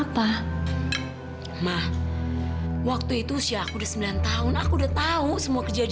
bawa hati hati ya nanti aku datang